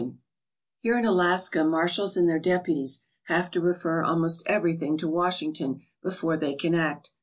170 AMONG THE OLD TIMERS Here in Alaska marshals and their deputies have to refer almost everything to Washington before they can act.